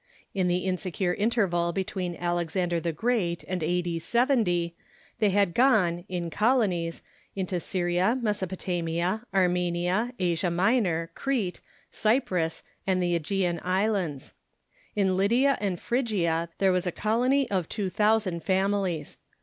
In the insecure interval between Alexander the Great and A.r>. 70, they had gone, in colonies, into Assyria, Mesopotamia, Armenia, Asia Minor, Crete, Cy prus, and the ^gean Islands. In Lydia and Phrygia there Avas a colony of two thousand families.